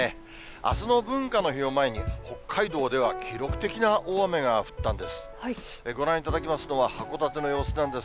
あすの文化の日を前に、北海道では記録的な大雨が降ったんです。